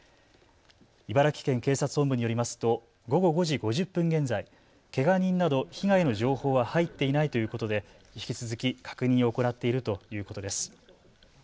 茨城県警察本部によりますと午後５時５０分現在、けが人など被害の情報は入っていないということで引き続き確認を行っているということです。